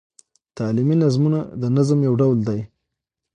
تعلیمي نظمونه د نظم یو ډول دﺉ.